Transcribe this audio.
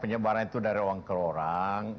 penyebaran itu dari orang ke orang